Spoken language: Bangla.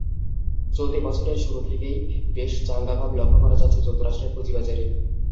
চলতি বছরের শুরু থেকেই বেশ চাঙাভাব লক্ষ করা যাচ্ছে যুক্তরাষ্ট্রের পুঁজিবাজারে।